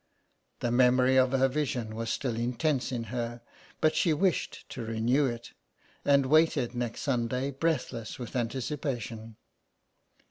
The memory of her vision was still intense in her, but she wished to renew it ; and waited next Sunday breathless with anticipation.